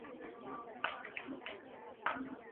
望麒麟育有独生女望阿参。